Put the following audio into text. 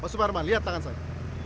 pak suparman lihat tangan saya